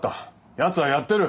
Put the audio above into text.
やつはやってる。